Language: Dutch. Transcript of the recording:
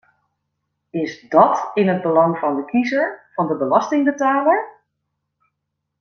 Is dát in het belang van de kiezer, van de belastingbetaler?